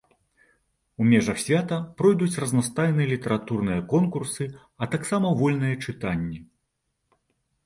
У межах свята пройдуць разнастайныя літаратурныя конкурсы, а таксама вольныя чытанні.